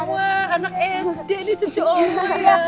wah anak sd nih cucu oma ya